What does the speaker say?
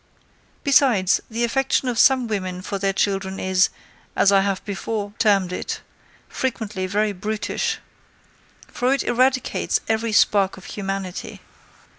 Besides, the affection of some women for their children is, as I have before termed it, frequently very brutish; for it eradicates every spark of humanity.